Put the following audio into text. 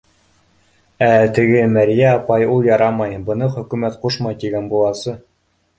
Ә теге мәрйә апай ул ярамай, быны хөкүмәт ҡушмай, тигән буласы.